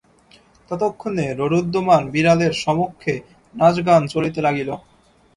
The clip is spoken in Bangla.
ততক্ষণে রোরুদ্যমান বিড়ালের সমক্ষে নাচগান চলিতে লাগিল।